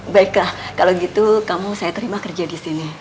baiklah kalau gitu kamu saya terima kerja disini